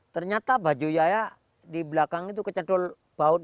ternyata baju yaya di belakang itu kecedul bau itu